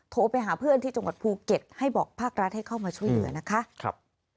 โทรไปหาเพื่อนที่จังหวัดภูเก็ตให้บอกภาครัฐให้เข้ามาช่วยเหลือนะคะ